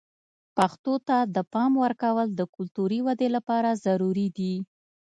پښتو ته د پام ورکول د کلتوري ودې لپاره ضروري دي.